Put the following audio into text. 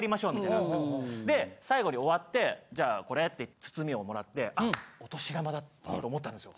で最後に終わって「じゃあこれ」って包みを貰ってあっ。と思ったんですよ。